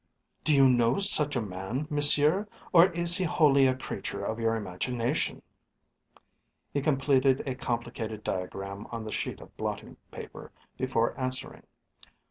"Do you know such a man, Monsieur, or is he wholly a creature of your imagination?" she persisted. He completed a complicated diagram on the sheet of blotting paper before answering.